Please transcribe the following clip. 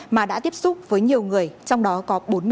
mà đã tiếp xúc với nhiều người trong đó có bốn mươi chín f một